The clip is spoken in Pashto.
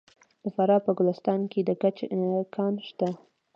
د فراه په ګلستان کې د ګچ کان شته.